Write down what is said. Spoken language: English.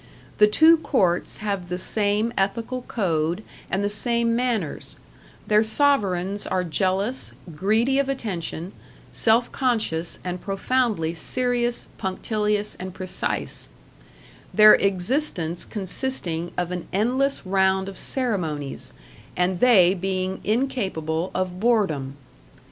The two courts have the same ethical code and the same manners; their Sovereigns are jealous, greedy of attention, self conscious and profoundly serious, punctilious and precise; their existence consisting of an endless round of ceremonies, and they being incapable of boredom.